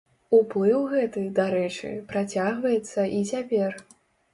Уплыў гэты, дарэчы, працягваецца і цяпер.